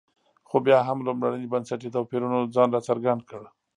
خو بیا هم لومړني بنسټي توپیرونو ځان راڅرګند کړ.